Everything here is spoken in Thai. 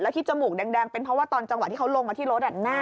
ที่จมูกแดงเป็นเพราะว่าตอนจังหวะที่เขาลงมาที่รถ